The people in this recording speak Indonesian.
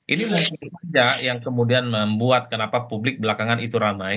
ini mungkin saja yang kemudian membuat kenapa publik belakangan itu ramai